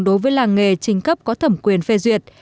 đối với làng nghề trình cấp có thẩm quyền phê duyệt